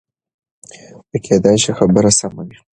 کېدای شي خبره سمه وي.